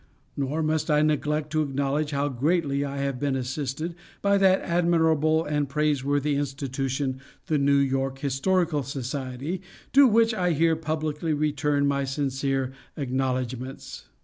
Nor must I neglect to acknowledge how greatly I have been assisted by that admirable and praiseworthy institution, the New York Historical Society, to which I here publicly return my sincere acknowledgments.